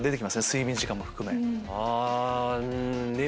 睡眠時間も含め。